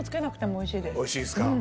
美味しいですか？